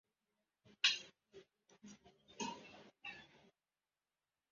Umuhanzi wambaye swater yumukara arimo gushushanya amabuye manini